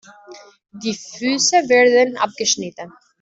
Die Füße werden abgeschnitten.